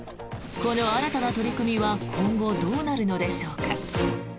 この新たな取り組みは今後どうなるのでしょうか。